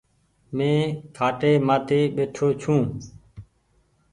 مين کآٽي مآٿي ٻيٺو ڇو۔